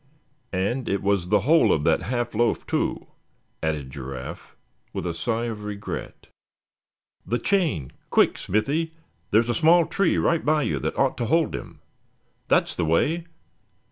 "And it was the whole of that half loaf too," added Giraffe, with a sigh of regret. "The chain, quick! Smithy; there's a small tree right by you that ought to hold him! That's the way!